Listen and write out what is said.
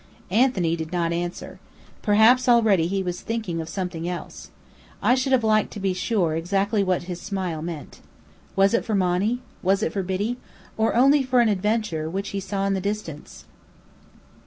Anthony did not answer. Perhaps already he was thinking of something else. I should have liked to be sure exactly what his smile meant. Was it for Monny? Was it for Biddy? Or only for an adventure which he saw in the distance?